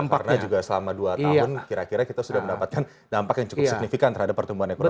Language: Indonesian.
karena juga selama dua tahun kira kira kita sudah mendapatkan dampak yang cukup signifikan terhadap pertumbuhan ekonomi kita